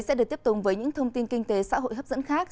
sẽ được tiếp tục với những thông tin kinh tế xã hội hấp dẫn khác